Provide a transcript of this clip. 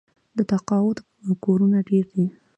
د تقاعد کورونه ډیر دي.